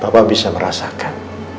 papa bisa merasakan